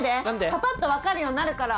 パパっと分かるようになるから。